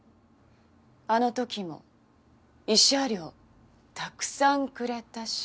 あのときも慰謝料たくさんくれたし。